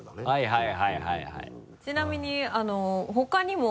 はい。